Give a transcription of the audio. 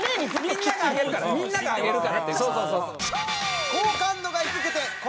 みんなが上げるからみんなが上げるからっていう。